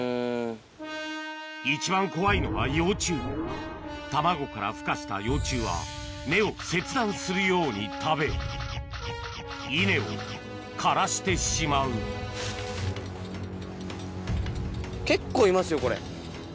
一番怖いのは幼虫卵から孵化した幼虫は根を切断するように食べ稲を枯らしてしまう結構いますよこれ。